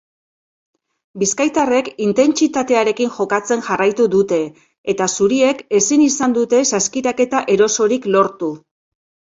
Bizkaitarrek intentsitatearekin jokatzen jarraitu dute eta zuriek ezin izan dute saskiraketa erosorik lortu.